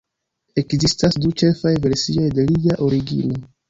Ekzistas du ĉefaj versioj de lia origino.